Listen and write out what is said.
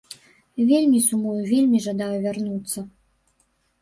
Вельмі сумую, вельмі жадаю вярнуцца!